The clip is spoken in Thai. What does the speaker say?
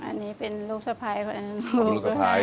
อันนี้เป็นลูกสะพาย